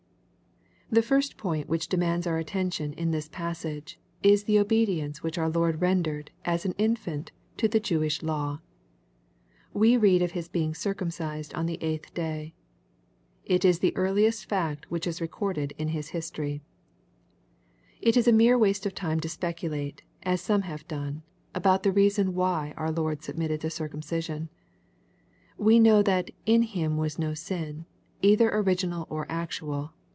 The first point which demands our attention in this passage, is the obedience which our Lord rendered^ as an infant, to the Jewish law. We read of His being circum cised on the eighth day. It is the earliest fact which is recorded in His history. It is a mere waste of time to speculate, as some have done, about the reason why our Lord submitted to circumcision. We know that "in Him was no sin," either original or actual.